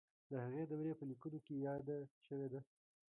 د هغې دورې په لیکنو کې یاده شوې ده.